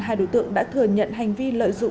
hai đối tượng đã thừa nhận hành vi lợi dụng